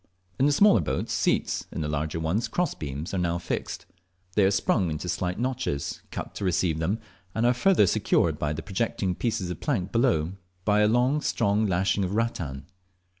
In the smaller boats seats, in the larger ones cross beams, are now fixed. They are sprung into slight notches cut to receive them, and are further secured to the projecting pieces of the plank below by a strong lashing of rattan.